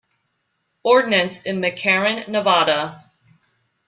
Ordnance in McCarran, Nevada.